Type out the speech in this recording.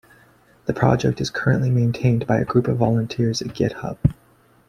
The project is currently maintained by a group of volunteers at GitHub.